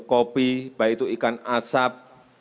kopi baik itu ikan asap